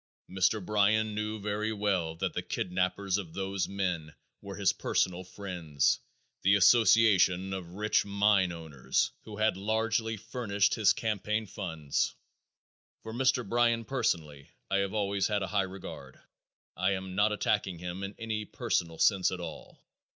Mr. Bryan knew very well that the kidnapers of those men were his personal friends, the association of rich mine owners, who had largely furnished his campaign funds. For Mr. Bryan personally I have always had a high regard. I am not attacking him in any personal sense at all.